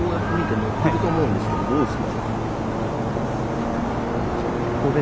乗っていると思うんですがどうですか？